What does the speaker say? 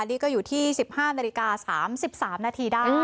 นี่ก็อยู่ที่๑๕นาฬิกา๓๓นาทีได้